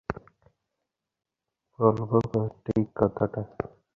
বলব ঠিক কথাটা?